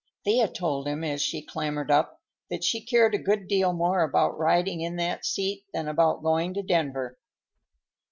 Thea told him, as she clambered up, that she cared a good deal more about riding in that seat than about going to Denver.